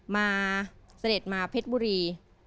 เสด็จมาเพชรบุรี